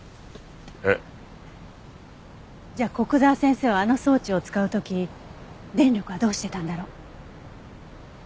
えっ？じゃあ古久沢先生はあの装置を使う時電力はどうしてたんだろう？